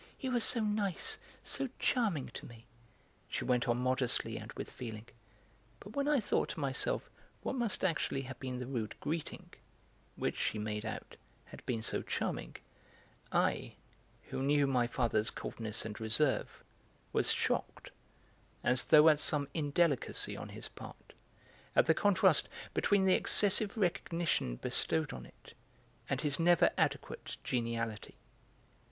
He was so nice, so charming to me," she went on, modestly and with feeling. But when I thought to myself what must actually have been the rude greeting (which, she made out, had been so charming), I, who knew my father's coldness and reserve, was shocked, as though at some indelicacy on his part, at the contrast between the excessive recognition bestowed on it and his never adequate geniality.